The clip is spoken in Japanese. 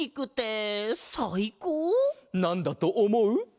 なんだとおもう？